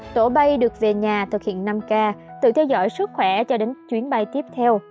tổ bay được về nhà thực hiện năm k tự theo dõi sức khỏe cho đến chuyến bay tiếp theo